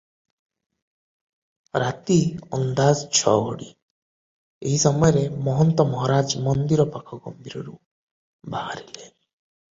ରାତି ଅନ୍ଦାଜ ଛ ଘଡ଼ି ସମୟରେ ମହନ୍ତ ମହାରାଜ ମନ୍ଦିର ପାଖ ଗମ୍ଭୀରିରୁ ବାହାରିଲେ ।